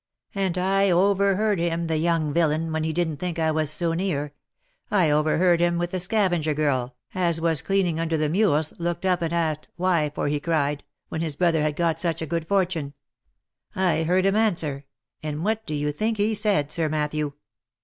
And I overheard him, the young villain, when he didn't ink I was so near — I overheard him when the scavenger girl, as was Cleaning under the mules, looked up and asked, why for he cried, when his brother had g#t such good fortune — I heard him answer. And what do you think he said, Sir Matthew